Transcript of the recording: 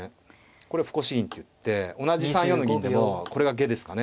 これ歩越し銀って言って同じ３四の銀でもこれが下ですかね。